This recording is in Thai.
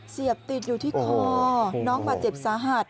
เสียบติดอยู่ที่คอน้องบาดเจ็บสาหัส